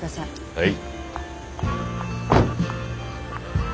はい。